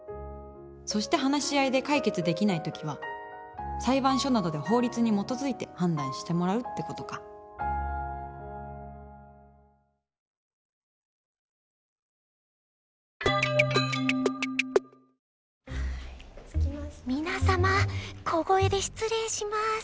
そして話し合いで解決できない時は裁判所などで法律に基づいて判断してもらうってことか皆様小声で失礼します。